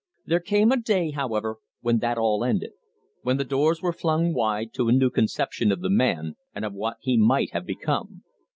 There came a day, however, when that all ended, when the doors were flung wide to a new conception of the man, and of what he might have become.